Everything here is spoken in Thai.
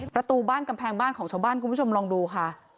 ประตูบ้านกำแพงบ้านของชาวบ้านคุณผู้ชมลองดูค่ะ